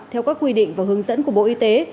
theo các quy định và hướng dẫn của bộ y tế